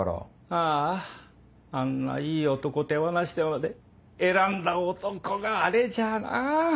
あああんないい男手放してまで選んだ男があれじゃあなぁ。